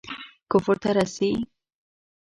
کفر ته رسي.